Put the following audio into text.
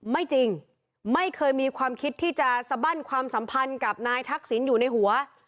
ไม่จริงไม่เคยมีความคิดที่จะสบั้นความสัมพันธ์กับนายทักษิณอยู่ในหัว